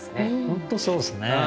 本当そうですね。